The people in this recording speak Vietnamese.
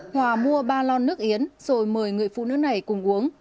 hòa mua ba lon nước yến rồi mời người phụ nữ này cùng uống